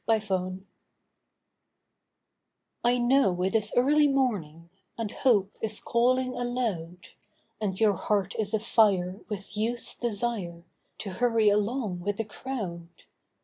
TIME ENOUGH I know it is early morning, And hope is calling aloud, And your heart is afire with Youth's desire To hurry along with the crowd.